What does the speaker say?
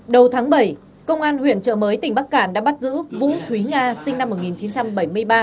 đầu tháng bảy công an huyện trợ mới tỉnh bắc cạn đã bắt giữ vũ khí nga sinh năm một nghìn chín trăm bảy mươi ba